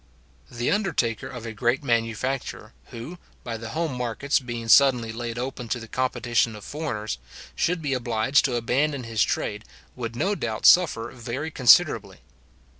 The undertaker of a great manufacture, who, by the home markets being suddenly laid open to the competition of foreigners, should be obliged to abandon his trade, would no doubt suffer very considerably.